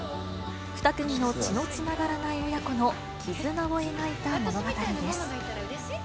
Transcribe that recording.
２組の血のつながらない親子の絆を描いた物語です。